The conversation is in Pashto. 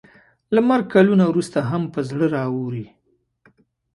له مرګ کلونه وروسته هم په زړه راووري.